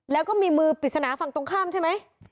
แล้วก็มีมือปริศนาฝั่งตรงข้ามใช่ไหม